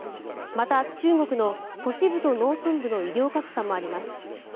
また中国の都市部と農村部の医療格差もあります。